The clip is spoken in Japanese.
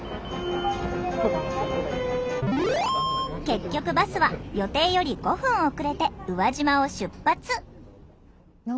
結局バスは予定より５分遅れて宇和島を出発。